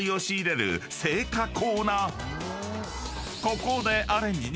［ここで］